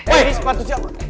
eh sepatu siapa